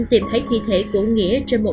tìm thấy thi thể của nghĩa